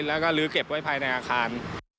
แล้วก็ลื้อเก็บไว้ภายในอาคาร